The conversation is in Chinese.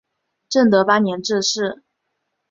正德八年致仕。